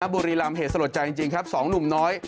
บุรีรำเหตุสลดใจจริงครับสองหนุ่มน้อย